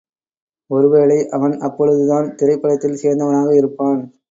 ஒரு வேளை அவன் அப்பொழுதுதான் திரைப்படத்தில் சேர்ந்தவனாக இருப்பான்.